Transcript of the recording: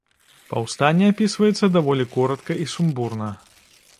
Паўстанне апісваецца даволі коратка і сумбурна.